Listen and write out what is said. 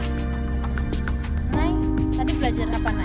nay tadi belajar apa nay